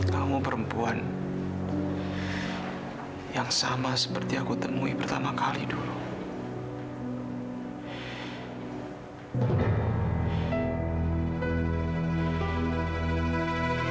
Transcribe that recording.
kamu perempuan yang sama seperti aku temui pertama kali dulu